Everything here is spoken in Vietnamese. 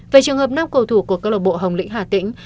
về trường hợp năm cầu thủ của cơ lộ bộ hồng lĩnh hà tĩnh